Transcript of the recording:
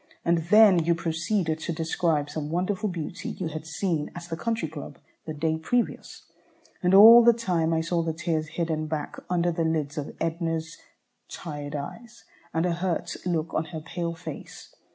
And then you proceeded to describe some wonderful beauty you had seen at the Country Club the day previous, and all the time I saw the tears hidden back under the lids of Edna's tired eyes, and a hurt look on her pale face.